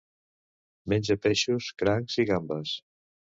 Menja peixos, crancs i gambes.